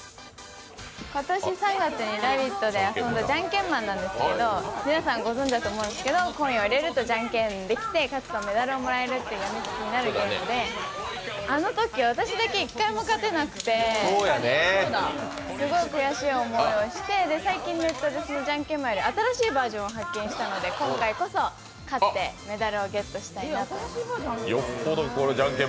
今年３月に「ラヴィット！」で遊んだ「ジャンケンマン」なんですけど皆さんご存じだと思うんですけど、コインを入れるとジャンケンができて、勝つとメダルをもらえるっていうやみつきのゲームであのときは私だけ１回も勝てなくて、すごい悔しい思いをして、最近、私、「ジャンケンマン」の新しいバージョンを発見したので今回こそ勝ってメダルをゲットしたいなと思って。